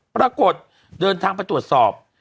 ปรากฏเดินทางไปตรวจสอบ